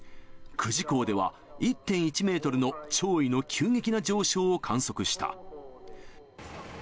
久慈港では１．１メートルの潮位の急激な上昇を観測した。